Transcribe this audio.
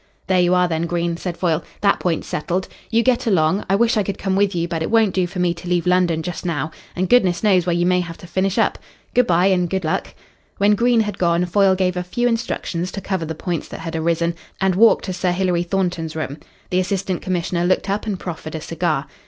"There you are, then, Green," said Foyle. "That point's settled. You get along. I wish I could come with you, but it won't do for me to leave London just now, and goodness knows where you may have to finish up. Good bye and good luck." When Green had gone, Foyle gave a few instructions to cover the points that had arisen, and walked to Sir Hilary Thornton's room. The Assistant Commissioner looked up and proffered a cigar.